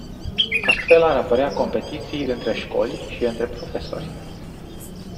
Astfel ar apărea competiții între școli și între profesori.